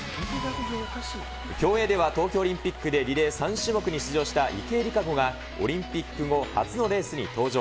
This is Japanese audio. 競泳では東京オリンピックでリレー３種目に出場した池江璃花子が、オリンピック後初のレースに登場。